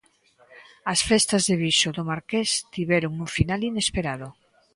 A festas de Viso do Marqués tiveron un final inesperado.